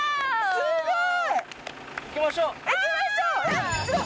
すごい！